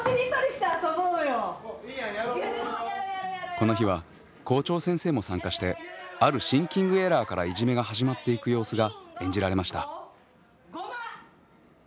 この日は校長先生も参加してあるシンキングエラーからいじめが始まっていく様子が演じられました。